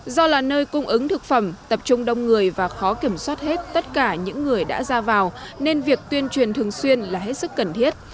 do là nơi cung ứng thực phẩm tập trung đông người và khó kiểm soát hết tất cả những người đã ra vào nên việc tuyên truyền thường xuyên là hết sức cần thiết